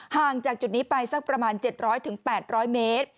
ห่างจากจุดนี้ไปสักประมาณ๗๐๐๘๐๐เมตร